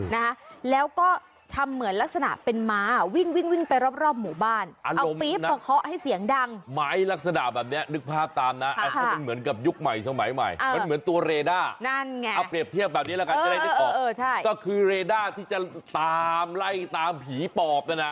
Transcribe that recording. นะฮะแล้วก็ทำเหมือนลักษณะเป็นม้าวิ่งวิ่งวิ่งไปรอบรอบหมู่บ้านเอาปี๊บมาเคาะให้เสียงดังไม้ลักษณะแบบเนี้ยนึกภาพตามนะถ้ามันเหมือนกับยุคใหม่สมัยใหม่มันเหมือนตัวเรด้านั่นไงเอาเปรียบเทียบแบบนี้แล้วกันจะได้นึกออกเออใช่ก็คือเรด้าที่จะตามไล่ตามผีปอบนะนะ